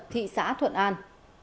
thị xã thuận an